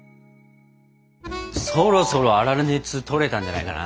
そろそろ粗熱とれたんじゃないかな。